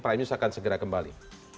prime news akan segera kembali